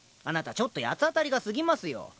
あなたちょっと八つ当りが過ぎますよ。